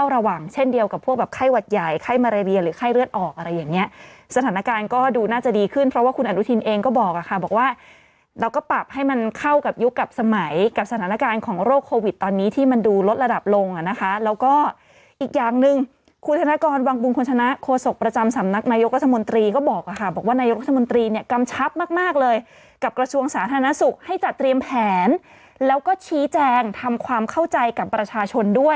ระหว่างเช่นเดียวกับพวกแบบไข้วัดใหญ่ไข้มะระเบียหรือไข้เลือดออกอะไรอย่างเงี้ยสถานการณ์ก็ดูน่าจะดีขึ้นเพราะว่าคุณอนุทินเองก็บอกอะค่ะบอกว่าเราก็ปรับให้มันเข้ากับยุคกลับสมัยกับสถานการณ์ของโรคโควิดตอนนี้ที่มันดูลดระดับลงอะนะคะแล้วก็อีกอย่างหนึ่งคุณธนกรวงบุญควรชนะโฆษกประจ